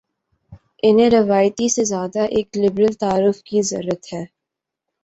انہیں روایتی سے زیادہ ایک لبرل تعارف کی ضرت ہے۔